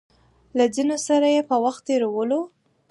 له ځينو سره يې په وخت تېرولو